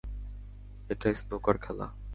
এটা স্নুকার খেলা।